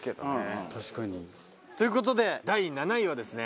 確かに。という事で第７位はですね